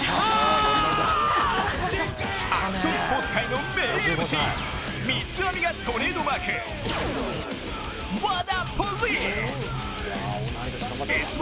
アクションスポーツ界の名ＭＣ三つ編みがトレードマークワダポリス。